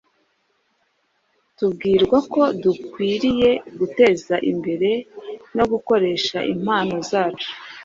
tubwirwa ko dukwiriye guteza imbere no gukoresha impano zacu